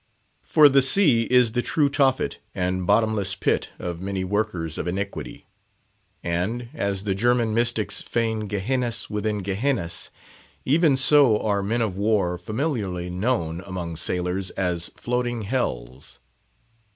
For the sea is the true Tophet and bottomless pit of many workers of iniquity; and, as the German mystics feign Gehennas within Gehennas, even so are men of war familiarly known among sailors as "Floating Hells."